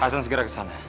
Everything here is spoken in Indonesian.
ah san segera kesana